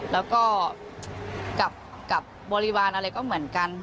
แล้วก็กับบริวารอะไรก็เหมือนกัน